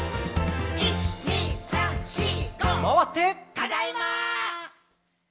「ただいま！」